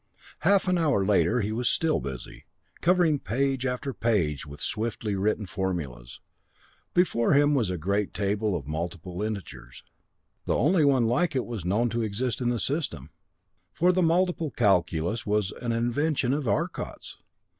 Half an hour later he was still busy covering page after page with swiftly written formulas. Before him was a great table of multiple integers, the only one like it known to exist in the System, for the multiple calculus was an invention of Arcot's.